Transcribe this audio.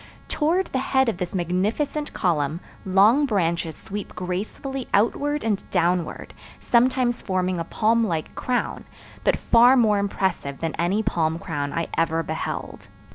Toward the head of this magnificent column long branches sweep gracefully outward and downward, sometimes forming a palm like crown, but far more impressive than any palm crown I ever beheld.